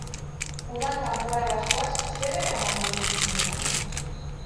Udan kanpora bazoaz, zer eraman botikinean?